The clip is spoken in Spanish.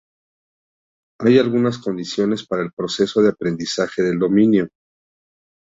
Hay algunas condiciones para el proceso de aprendizaje del dominio.